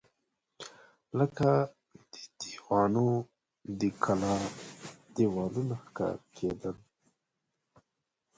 لکه د دیوانو د کلا دېوالونه ښکارېدل.